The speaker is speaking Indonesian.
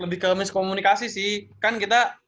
lebih ke miskomunikasi sih kan kita